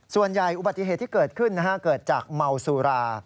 อุบัติเหตุที่เกิดขึ้นเกิดจากเมาสุรา